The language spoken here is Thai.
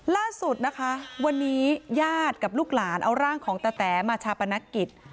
ล่าสุดนะคะวันนี้ญาติกับลูกหลานเอาร่างของตาแต๋มาชาปนกิจ